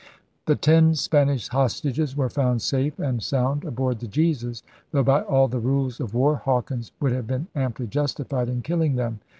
The ten Spanish hostages were found safe and sound aboard the Jesus; though, by all the rules of war, Hawkins would have been amply justified in killing them.